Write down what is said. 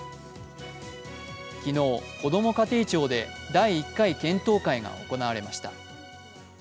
昨日、こども家庭庁で第１回検討会が行われました。